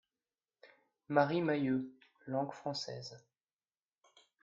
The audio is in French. Marie Mahieu (langue française).